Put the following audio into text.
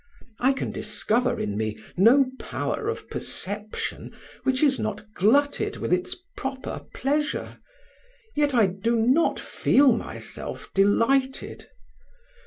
I can discover in me no power of perception which is not glutted with its proper pleasure, yet I do not feel myself delighted.